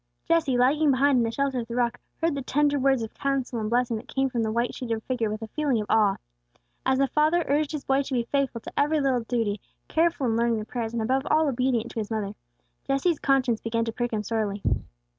Jesse, lagging behind in the shelter of the rock, heard the tender words of counsel and blessing that came from the white sheeted figure with a feeling of awe. As the father urged his boy to be faithful to every little duty, careful in learning the prayers, and above all obedient to his mother, Jesse's conscience began to prick him sorely.